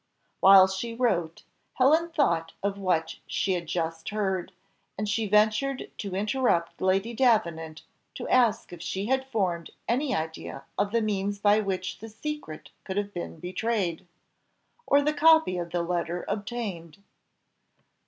While she wrote, Helen thought of what she had just heard, and she ventured to interrupt Lady Davenant to ask if she had formed any idea of the means by which the secret could have been betrayed or the copy of the letter obtained.